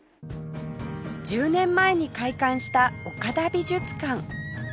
１０年前に開館した岡田美術館